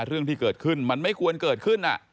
เรื่องที่เกิดขึ้นมันไม่ควรเกิดขึ้น